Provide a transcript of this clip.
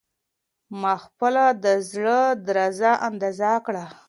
ما خپله د زړه درزا اندازه کړه.